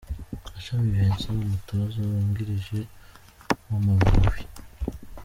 Mashami Vincent umutoza wungirije mu Mavubi.